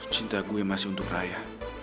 cinta gue masih untuk raya